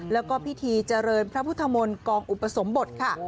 แล้วก็พิธีเจริญพระพุทธมนต์กองอุปสมบทค่ะ